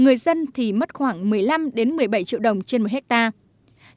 người dân thì mất khoảng một mươi năm một mươi bảy triệu đồng trên một hectare